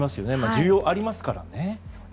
需要がありますからね。